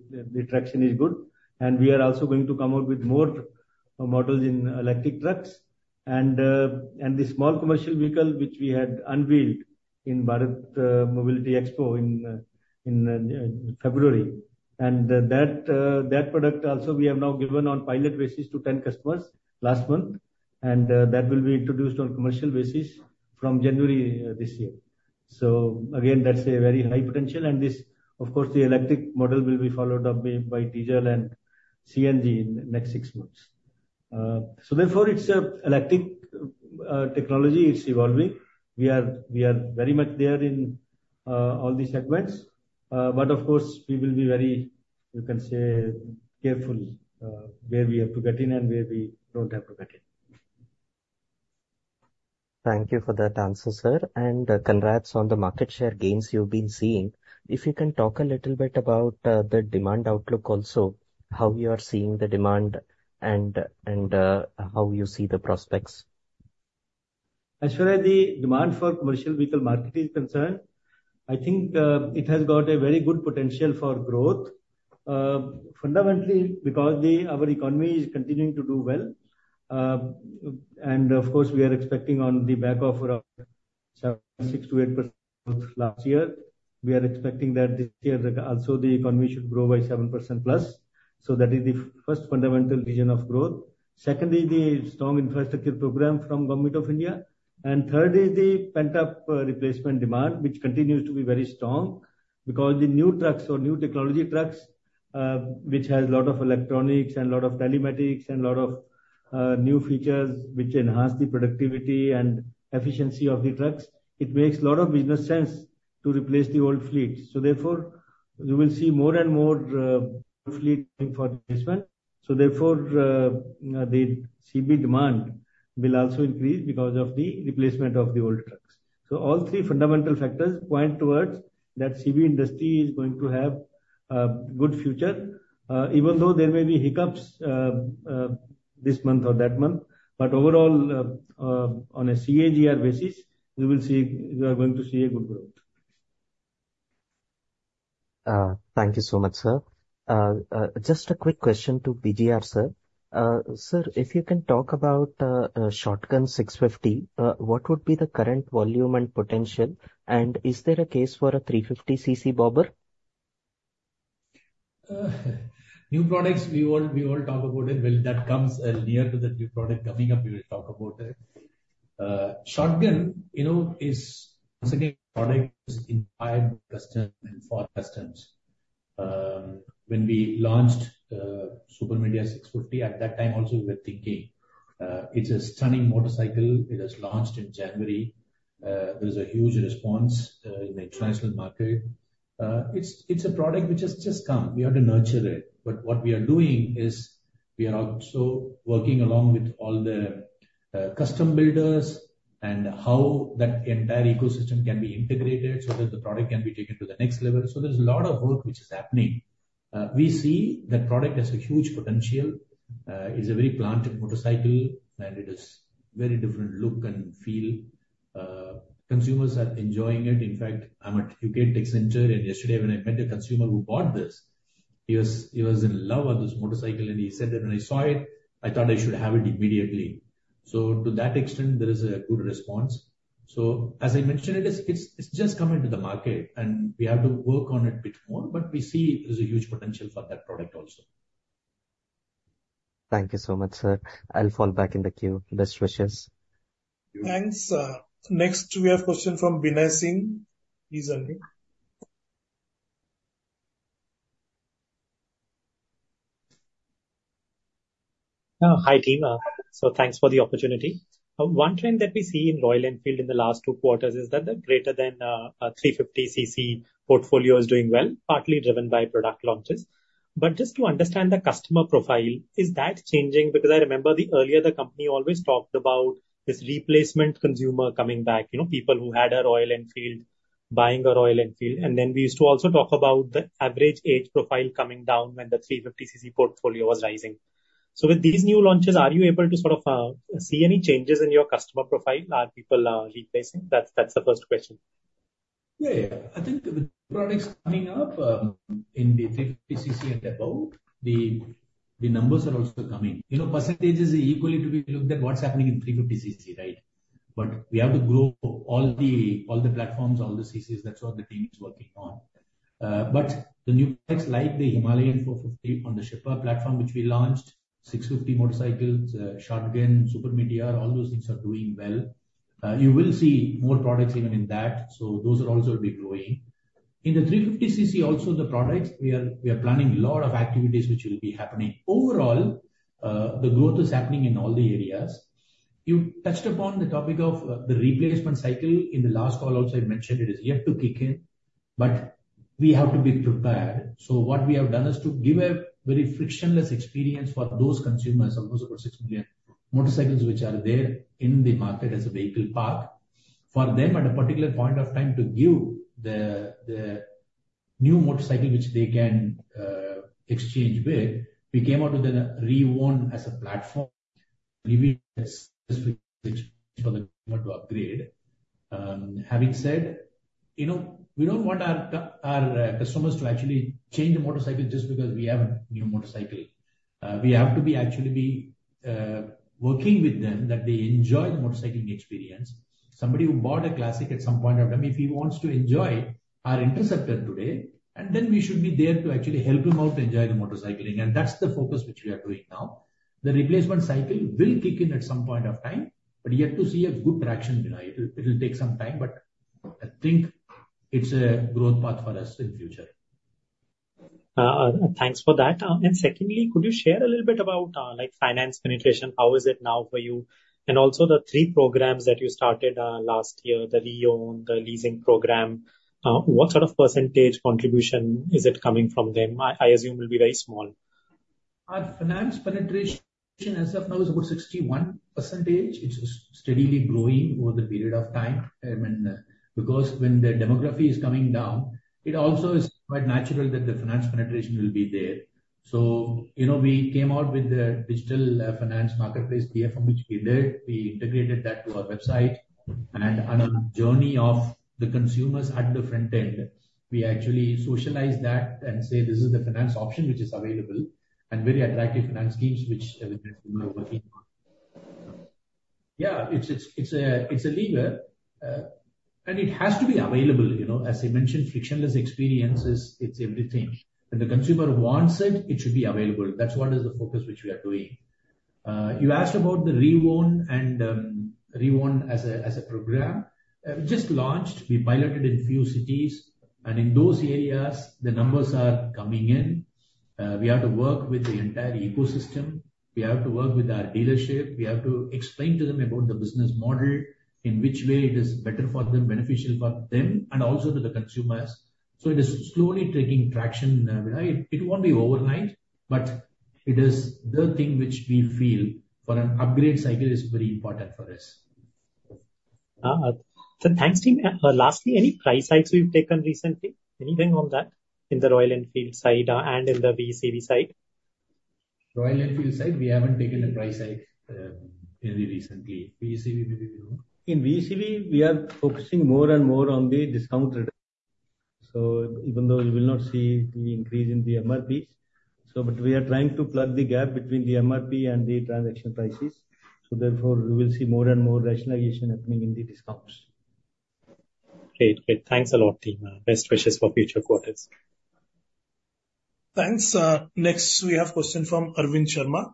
traction is good. And we are also going to come out with more models in electric trucks. And the small commercial vehicle which we had unveiled in Bharat Mobility Expo in February. And that, that product also, we have now given on pilot basis to 10 customers last month. And, that will be introduced on commercial basis from January this year. So again, that's a very high potential. And this, of course, the electric model will be followed up by diesel and CNG in the next six months. So therefore, it's an electric technology. It's evolving. We are, we are very much there in all these segments. But of course, we will be very, you can say, careful, where we have to get in and where we don't have to get in. Thank you for that answer, sir. Congrats on the market share gains you've been seeing. If you can talk a little bit about the demand outlook also, how you are seeing the demand and, how you see the prospects. As far as the demand for commercial vehicle market is concerned, I think, it has got a very good potential for growth, fundamentally because our economy is continuing to do well. And of course, we are expecting on the back of our 6%-8% growth last year, we are expecting that this year, also, the economy should grow by 7%+. So that is the first fundamental reason of growth. Secondly, the strong infrastructure program from Government of India. And third is the pent-up replacement demand, which continues to be very strong because the new trucks or new technology trucks, which have a lot of electronics and a lot of telematics and a lot of, new features which enhance the productivity and efficiency of the trucks, it makes a lot of business sense to replace the old fleet. So therefore, you will see more and more fleet for this one. So therefore, the CB demand will also increase because of the replacement of the old trucks. So all three fundamental factors point towards that CB industry is going to have a good future, even though there may be hiccups, this month or that month. But overall, on a CAGR basis, you will see you are going to see a good growth. Thank you so much, sir. Just a quick question to BGR, sir. Sir, if you can talk about Shotgun 650, what would be the current volume and potential? And is there a case for a 350cc bobber? New products, we all talk about it. When that comes near to the new product coming up, we will talk about it. Shotgun, you know, is, once again, a product inspired by custom and for customs. When we launched Super Meteor 650, at that time also, we were thinking, it's a stunning motorcycle. It has launched in January. There is a huge response in the international market. It's a product which has just come. We had to nurture it. But what we are doing is we are also working along with all the custom builders and how that entire ecosystem can be integrated so that the product can be taken to the next level. So there's a lot of work which is happening. We see that product has a huge potential. It's a very planted motorcycle. And it has a very different look and feel. Consumers are enjoying it. In fact, I'm at the U.K. Tech Center. And yesterday, when I met a consumer who bought this, he was he was in love with this motorcycle. And he said that when I saw it, I thought I should have it immediately. So to that extent, there is a good response. So as I mentioned, it is it's it's just coming to the market. And we have to work on it a bit more. But we see there's a huge potential for that product also. Thank you so much, sir. I'll fall back in the queue. Best wishes. Thanks. Next, we have a question from Vinay Singh. Please unmute. Hi, team. So thanks for the opportunity. One trend that we see in Royal Enfield in the last two quarters is that the greater than 350cc portfolio is doing well, partly driven by product launches. But just to understand the customer profile, is that changing? Because I remember earlier, the company always talked about this replacement consumer coming back, you know, people who had a Royal Enfield buying a Royal Enfield. And then we used to also talk about the average age profile coming down when the 350cc portfolio was rising. So with these new launches, are you able to sort of see any changes in your customer profile? Are people replacing? That's the first question. Yeah. Yeah. I think the products coming up, in the 350cc and above, the numbers are also coming. You know, percentages are equally to be looked at. What's happening in 350cc, right? But we have to grow all the platforms, all the CCs. That's what the team is working on. But the new products like the Himalayan 450 on the Sherpa platform, which we launched, 650 motorcycles, Shotgun, Super Meteor, all those things are doing well. You will see more products even in that. So those are also will be growing. In the 350cc also, the products, we are planning a lot of activities which will be happening. Overall, the growth is happening in all the areas. You touched upon the topic of the replacement cycle in the last call also. I mentioned it is yet to kick in. But we have to be prepared. So what we have done is to give a very frictionless experience for those consumers, almost about 6 million motorcycles which are there in the market as a vehicle park for them at a particular point of time to give the new motorcycle which they can exchange with. We came out with a Reown as a platform, Reown with exchange for the customer to upgrade. Having said, you know, we don't want our customers to actually change the motorcycle just because we have a new motorcycle. We have to be actually working with them that they enjoy the motorcycling experience. Somebody who bought a Classic at some point of time, if he wants to enjoy our Interceptor today, and then we should be there to actually help him out to enjoy the motorcycling. And that's the focus which we are doing now. The replacement cycle will kick in at some point of time. But yet to see a good traction, you know. It'll take some time. But I think it's a growth path for us in future. Thanks for that. Secondly, could you share a little bit about, like, finance penetration? How is it now for you? And also the three programs that you started last year, the Reown, the leasing program, what sort of percentage contribution is it coming from them? I assume will be very small. Our finance penetration, as of now, is about 61%. It's steadily growing over the period of time. I mean, because when the demography is coming down, it also is quite natural that the finance penetration will be there. So, you know, we came out with the digital finance marketplace PFM, which we did. We integrated that to our website. And on a journey of the consumers at the front end, we actually socialize that and say, "This is the finance option which is available," and very attractive finance schemes which every consumer is working on. Yeah. It's a lever, and it has to be available. You know, as I mentioned, frictionless experience is everything. When the consumer wants it, it should be available. That's what is the focus which we are doing. You asked about the Reown, and Reown as a program. Just launched. We piloted in few cities. In those areas, the numbers are coming in. We have to work with the entire ecosystem. We have to work with our dealership. We have to explain to them about the business model, in which way it is better for them, beneficial for them, and also to the consumers. So it is slowly taking traction, Vinay. It won't be overnight. But it is the thing which we feel for an upgrade cycle is very important for us. Thanks, team. Lastly, any price hikes we've taken recently? Anything on that in the Royal Enfield side, and in the VECV side? Royal Enfield side, we haven't taken a price hike any recently. VECV, maybe we don't. In VECV, we are focusing more and more on the discount reduction. So even though you will not see the increase in the MRPs, so but we are trying to plug the gap between the MRP and the transaction prices. So therefore, you will see more and more rationalization happening in the discounts. Great. Great. Thanks a lot, team. Best wishes for future quarters. Thanks. Next, we have a question from Arvind Sharma.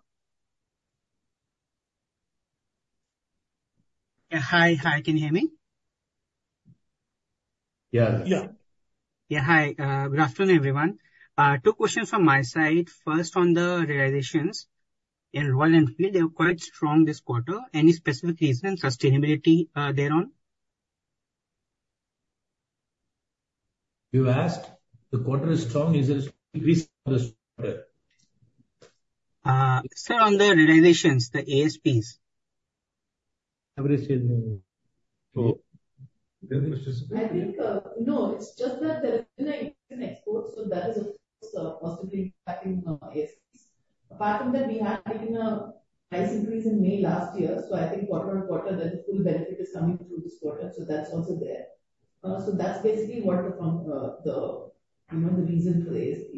Yeah. Hi. Hi. Can you hear me? Yeah. Yeah. Yeah. Hi. Good afternoon, everyone. Two questions from my side. First, on the realizations. In Royal Enfield, they were quite strong this quarter. Any specific reason and sustainability thereon? You asked? The quarter is strong. Is there a decrease on this quarter? Sir, on the realizations, the ASPs. Average sales maybe. Oh. I think, no. It's just that there is an export. So that is, of course, possibly impacting ASPs. Apart from that, we had, like, a price increase in May last year. So I think quarter-on-quarter, that the full benefit is coming through this quarter. So that's also there. So that's basically what the from, the, you know, the reason for the ASP.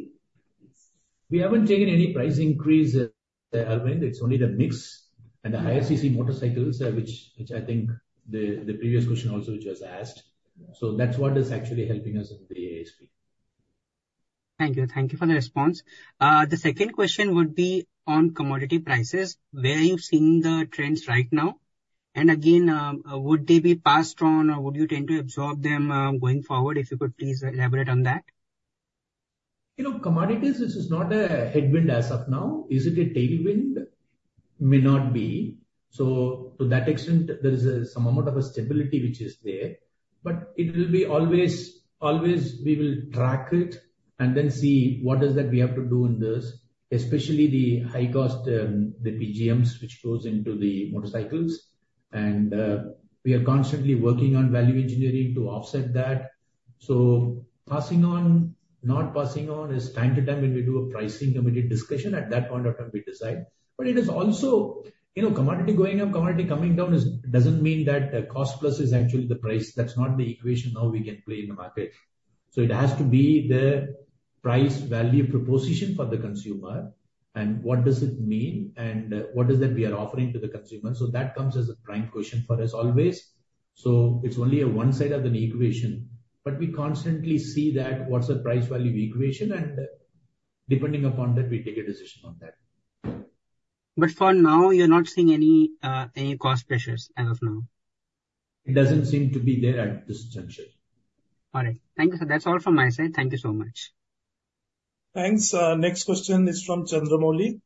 We haven't taken any price increases, Arvind. It's only the mix and the higher CC motorcycles, which I think the previous question also, which was asked. So that's what is actually helping us in the ASP. Thank you. Thank you for the response. The second question would be on commodity prices. Where are you seeing the trends right now? And again, would they be passed on, or would you tend to absorb them, going forward? If you could please elaborate on that. You know, commodities, this is not a headwind as of now. Is it a tailwind? May not be. So to that extent, there is a some amount of a stability which is there. But it will be always always, we will track it and then see what is that we have to do in this, especially the high-cost, the PGMs which goes into the motorcycles. And, we are constantly working on value engineering to offset that. So passing on, not passing on, is time to time when we do a pricing committee discussion. At that point of time, we decide. But it is also, you know, commodity going up, commodity coming down is doesn't mean that cost plus is actually the price. That's not the equation now we can play in the market. So it has to be the price-value proposition for the consumer. And what does it mean? What is that we are offering to the consumer? So that comes as a prime question for us always. So it's only a one side of an equation. But we constantly see that what's the price-value equation. And, depending upon that, we take a decision on that. For now, you're not seeing any cost pressures as of now? It doesn't seem to be there at this juncture. All right. Thank you, sir. That's all from my side. Thank you so much. Thanks. Next question is from Chandramouli.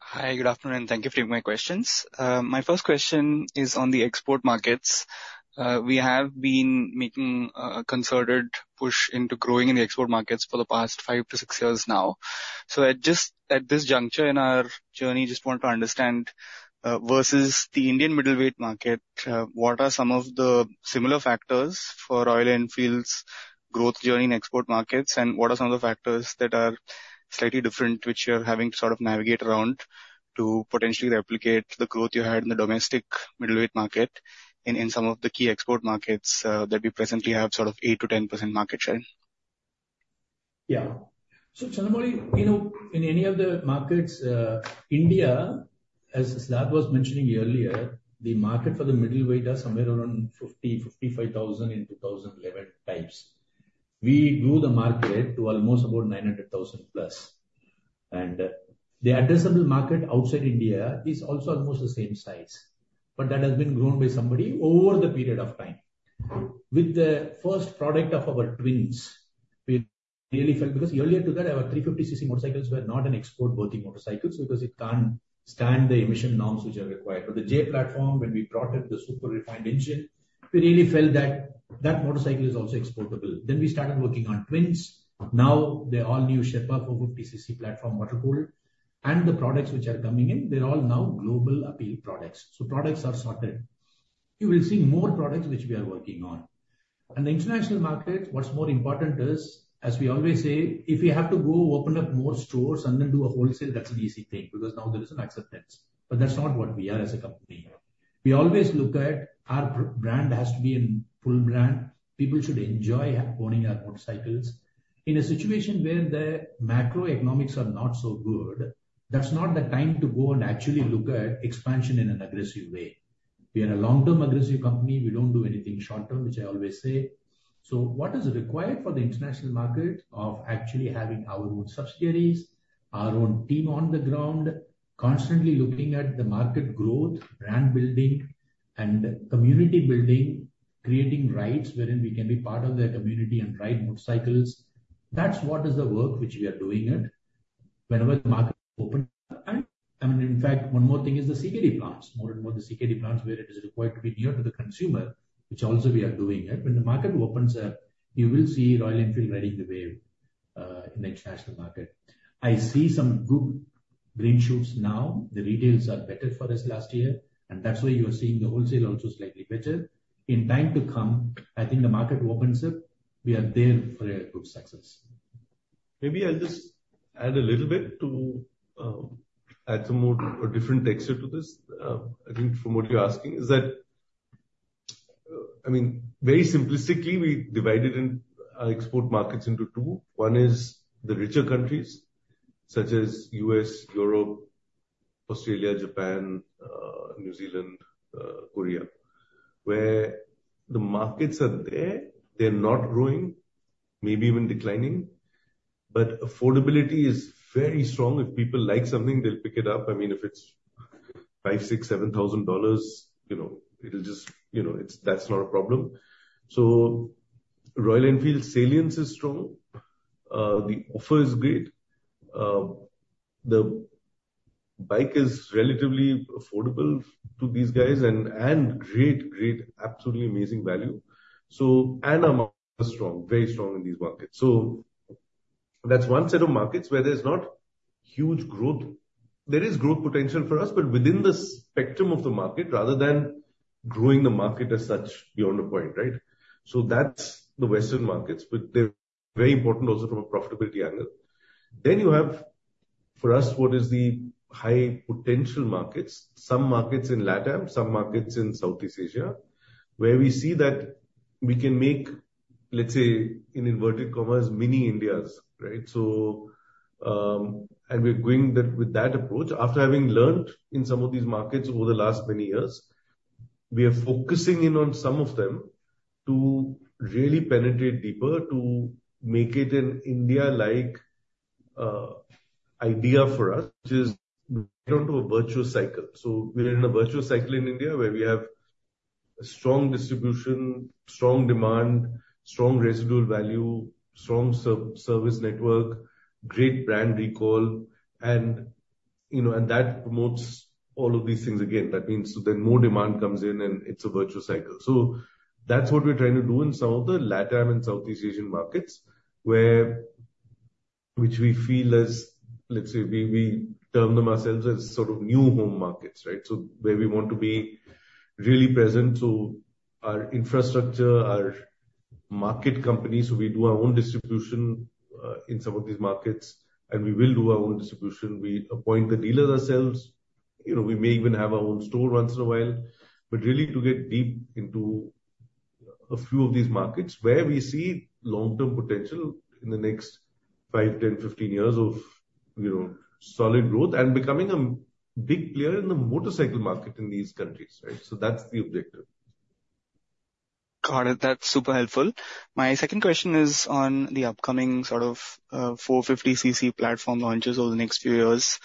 Hi. Good afternoon. Thank you for taking my questions. My first question is on the export markets. We have been making a concerted push into growing in the export markets for the past 5-6 years now. So at just at this juncture in our journey, just wanted to understand, versus the Indian middleweight market, what are some of the similar factors for Royal Enfield's growth journey in export markets? And what are some of the factors that are slightly different which you're having to sort of navigate around to potentially replicate the growth you had in the domestic middleweight market in in some of the key export markets, that we presently have sort of 8%-10% market share? Yeah. So Chandramouli, you know, in any of the markets, India, as Siddhartha was mentioning earlier, the market for the middleweight are somewhere around 50,000-55,000 in 2011 types. We grew the market to almost about 900,000+. The addressable market outside India is also almost the same size. But that has been grown by somebody over the period of time. With the first product of our twins, we really felt because earlier to that, our 350cc motorcycles were not an export-worthy motorcycles because it can't stand the emission norms which are required. But the J platform, when we brought in the super refined engine, we really felt that that motorcycle is also exportable. Then we started working on twins. Now, the all-new Sherpa 450cc platform, water-cooled. The products which are coming in, they're all now global appeal products. So products are sorted. You will see more products which we are working on. The international market, what's more important is, as we always say, if we have to go open up more stores and then do a wholesale, that's an easy thing because now there is an acceptance. But that's not what we are as a company. We always look at our brand has to be in full brand. People should enjoy owning our motorcycles. In a situation where the macroeconomics are not so good, that's not the time to go and actually look at expansion in an aggressive way. We are a long-term aggressive company. We don't do anything short-term, which I always say. So what is required for the international market of actually having our own subsidiaries, our own team on the ground, constantly looking at the market growth, brand building, and community building, creating rides wherein we can be part of the community and ride motorcycles? That's what is the work which we are doing at whenever the market opens. And I mean, in fact, one more thing is the CKD plants, more and more the CKD plants where it is required to be near to the consumer, which also we are doing at. When the market opens up, you will see Royal Enfield riding the wave, in the international market. I see some good green shoots now. The retails are better for us last year. And that's why you are seeing the wholesale also slightly better. In time to come, I think the market opens up, we are there for a good success. Maybe I'll just add a little bit to add some more, a different texture to this, I think, from what you're asking, is that, I mean, very simplistically, we divided in our export markets into two. One is the richer countries such as U.S., Europe, Australia, Japan, New Zealand, Korea, where the markets are there. They're not growing, maybe even declining. But affordability is very strong. If people like something, they'll pick it up. I mean, if it's $5,000-$7,000, you know, it'll just, you know, it's that's not a problem. So Royal Enfield's salience is strong. The offer is great. The bike is relatively affordable to these guys and and great, great, absolutely amazing value. So and our markets are strong, very strong in these markets. So that's one set of markets where there's not huge growth. There is growth potential for us, but within the spectrum of the market, rather than growing the market as such, beyond the point, right? So that's the Western markets. But they're very important also from a profitability angle. Then you have, for us, what is the high-potential markets, some markets in LATAM, some markets in Southeast Asia, where we see that we can make, let's say, in inverted commas, mini Indias, right? So, and we're going that with that approach, after having learned in some of these markets over the last many years, we are focusing in on some of them to really penetrate deeper to make it an India-like idea for us, which is we get onto a virtuous cycle. So we're in a virtuous cycle in India where we have a strong distribution, strong demand, strong residual value, strong service network, great brand recall. You know, and that promotes all of these things, again. That means so then more demand comes in, and it's a virtuous cycle. So that's what we're trying to do in some of the LATAM and Southeast Asian markets where we feel as, let's say, we term them ourselves as sort of new home markets, right? So where we want to be really present. So our infrastructure, our market companies so we do our own distribution, in some of these markets. And we will do our own distribution. We appoint the dealers ourselves. You know, we may even have our own store once in a while. But really, to get deep into a few of these markets where we see long-term potential in the next five, 10, 15 years of, you know, solid growth and becoming a big player in the motorcycle market in these countries, right? So that's the objective. Got it. That's super helpful. My second question is on the upcoming sort of 450cc platform launches over the next few years.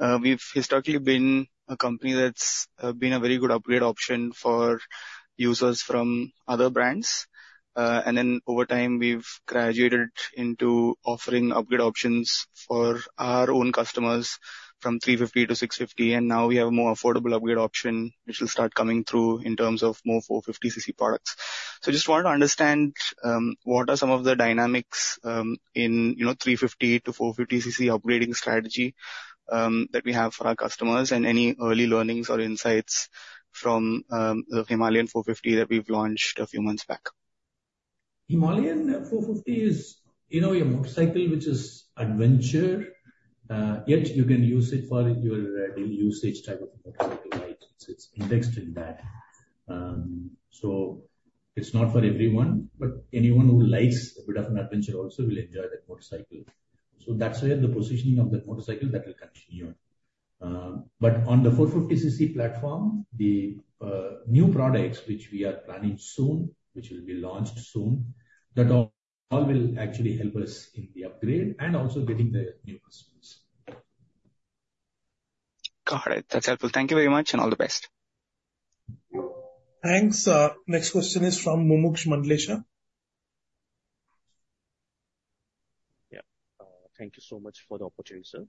We've historically been a company that's been a very good upgrade option for users from other brands. And then over time, we've graduated into offering upgrade options for our own customers from 350 to 650. And now, we have a more affordable upgrade option which will start coming through in terms of more 450cc products. So just wanted to understand what are some of the dynamics in you know 350 to 450cc upgrading strategy that we have for our customers and any early learnings or insights from the Himalayan 450 that we've launched a few months back. Himalayan 450 is, you know, a motorcycle which is adventure. Yet you can use it for your daily usage type of motorcycle, right? It's indexed in that. So it's not for everyone. But anyone who likes a bit of an adventure also will enjoy that motorcycle. So that's where the positioning of that motorcycle, that will continue. But on the 450cc platform, the new products which we are planning soon, which will be launched soon, that all will actually help us in the upgrade and also getting the new customers. Got it. That's helpful. Thank you very much, and all the best. Thanks. Next question is from Mumuksh Mandlesha. Yeah. Thank you so much for the opportunity, sir.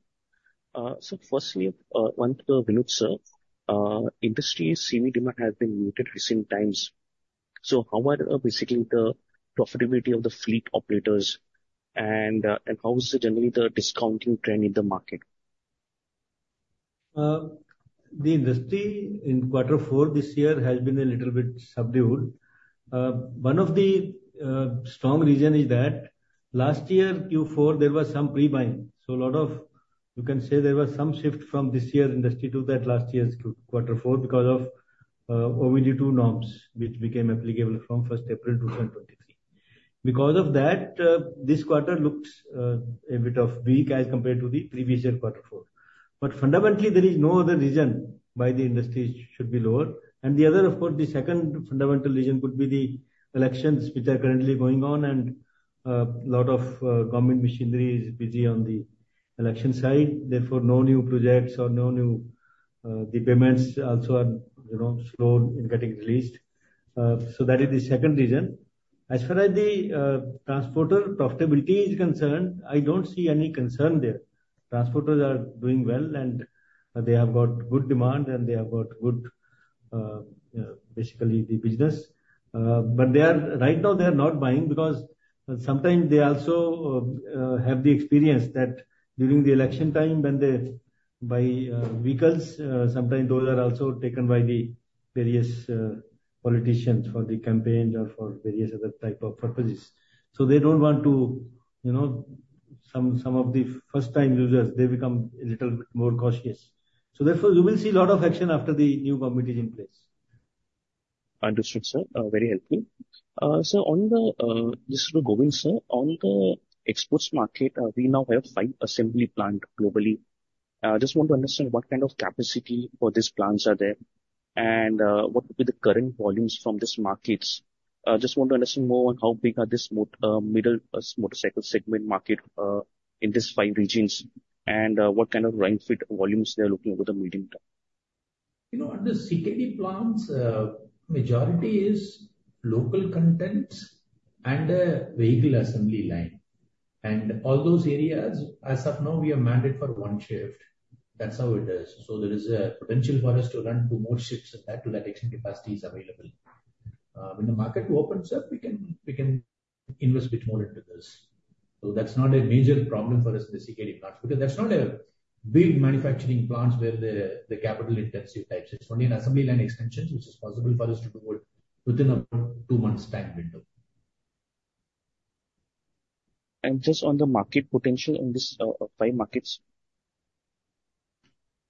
So firstly, one to Vinod, sir. Industry CV demand has been muted recent times. So how are, basically, the profitability of the fleet operators? And, and how is it generally the discounting trend in the market? The industry in quarter four this year has been a little bit subdued. One of the strong reasons is that last year Q4, there was some pre-buying. So a lot of you can say there was some shift from this year industry to that last year's Q4 because of OBD2 norms which became applicable from 1st April 2023. Because of that, this quarter looked a bit weak as compared to the previous year quarter four. But fundamentally, there is no other reason why the industry should be lower. And the other, of course, the second fundamental reason could be the elections which are currently going on. And a lot of government machinery is busy on the election side. Therefore, no new projects or no new payments also are, you know, slow in getting released. So that is the second reason. As far as the transporter profitability is concerned, I don't see any concern there. Transporters are doing well. They have got good demand. They have got good, basically, the business. But they are right now, they are not buying because sometimes, they also, have the experience that during the election time, when they buy, vehicles, sometimes, those are also taken by the various, politicians for the campaign or for various other type of purposes. So they don't want to, you know, some some of the first-time users, they become a little bit more cautious. So therefore, you will see a lot of action after the new committee is in place. Understood, sir. Very helpful. So, just to go in, sir, on the exports market, we now have five assembly plants globally. Just want to understand what kind of capacity for these plants are there and what would be the current volumes from these markets. Just want to understand more on how big is this middle motorcycle segment market in these five regions and what kind of run-rate volumes they are looking over the medium term. You know, on the CKD plants, majority is local content and a vehicle assembly line. All those areas, as of now, we are mandated for one shift. That's how it is. So there is a potential for us to run two more shifts to that extent capacity is available. When the market opens up, we can invest a bit more into this. So that's not a major problem for us in the CKD plants because that's not a big manufacturing plant where the capital-intensive types. It's only an assembly line extension which is possible for us to do within about two months' time window. Just on the market potential in these five markets.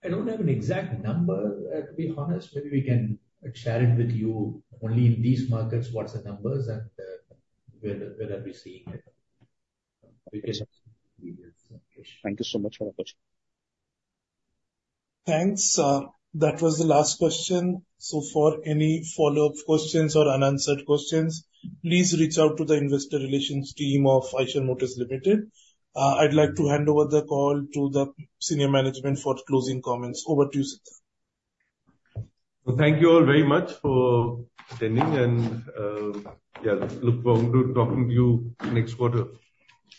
I don't have an exact number, to be honest. Maybe we can share it with you. Only in these markets, what's the numbers and, where where are we seeing it? Thank you so much for the question. Thanks. That was the last question. So for any follow-up questions or unanswered questions, please reach out to the investor relations team of Eicher Motors Limited. I'd like to hand over the call to the senior management for closing comments. Over to you, Siddhartha. Well, thank you all very much for attending. And, yeah, look forward to talking to you next quarter.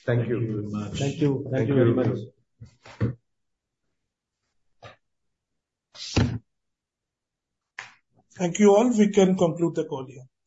Thank you. Thank you very much. Thank you. Thank you very much. Thank you all. We can conclude the call here.